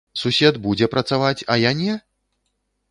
Сусед будзе працаваць, а я не?